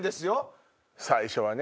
最初はね。